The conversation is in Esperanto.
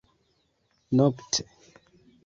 nokte